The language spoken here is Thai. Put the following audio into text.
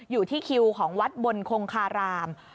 อยู่ที่คิวของวัดบนคงคาราม